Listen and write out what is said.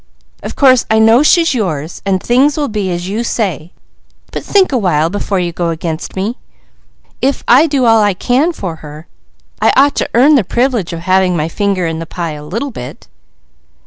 Of course I know she's yours, so things will be as you say, but think a while before you go against me. If I do all I can for her I ought to earn the privilege of having my finger in the pie a little bit."